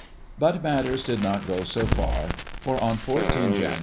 But matters did not go so far, for on 14 Jan.